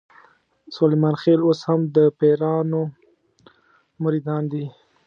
سلیمان خېل اوس هم د پیرانو مریدان دي.